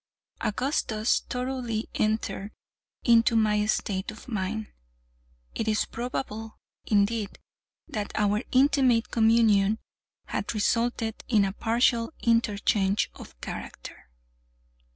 Augustus thoroughly entered into my state of mind. It is probable, indeed, that our intimate communion had resulted in a partial interchange of character.